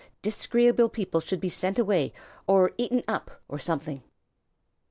"Disagreeable people should be sent away, or eaten up, or something."